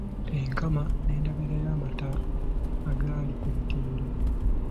Enkama n’endabirira y’amata agali ku mutindo.